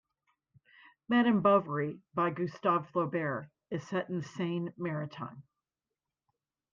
"Madame Bovary" by Gustave Flaubert is set in Seine Maritime.